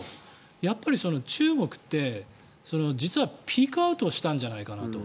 やっぱり中国って実はピークアウトしたんじゃないかなと。